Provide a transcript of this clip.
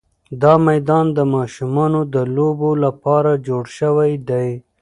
دا میدان د ماشومانو د لوبو لپاره جوړ شوی دی.